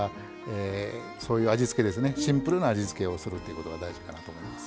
シンプルな味付けをするということが大事かなと思います。